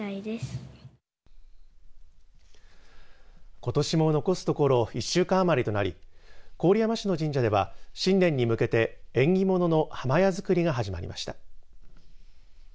ことしも残すところ１週間余りとなり郡山市の神社では、新年に向けて縁起物の破魔矢づくりが始まりました。